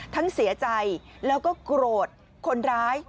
เสียใจแล้วก็โกรธคนร้าย